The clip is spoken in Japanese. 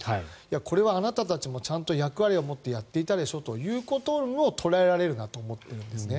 これはあなたたちもちゃんと役割を持ってやっていたでしょとも捉えられるなと思っているんですね。